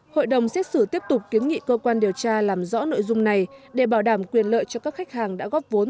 hội đồng xét xử tiếp tục kiến nghị cơ quan điều tra làm rõ nội dung này để bảo đảm quyền lợi cho các khách hàng đã góp vốn